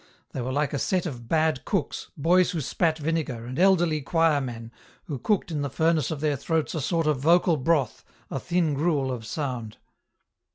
They were like a set of bad cooks, boys who spat vinegar, and elderly choir men, who cooked in the furnace of their throats a sort of vocal broth, a thin gruel of sound.